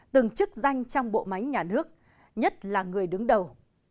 từng chức danh trong bộ máy nhà nước nhất là người đứng đầu